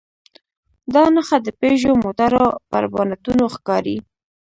دا نښه د پيژو موټرو پر بانټونو ښکاري.